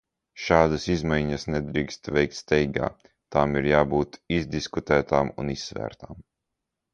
Šādas izmaiņas nedrīkst veikt steigā, tām ir jābūt izdiskutētām un izsvērtām.